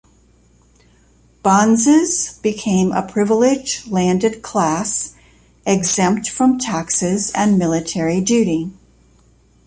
Bonzes became a privileged landed class, exempt from taxes and military duty.